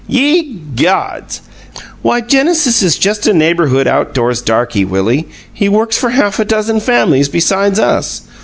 Ye gods!" "Why, Genesis is just a neighborhood outdoors darky, Willie; he works for half a dozen families besides us.